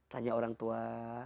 tanya orang tua